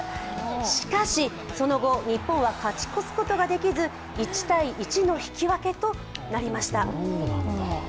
しかしその後、日本は勝ち越すことができず１−１の引き分けとなりました。